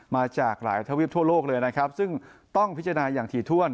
มาจากหลายทวีปทั่วโลกเลยนะครับซึ่งต้องพิจารณาอย่างถี่ถ้วน